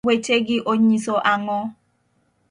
weche gi onyiso ang'o?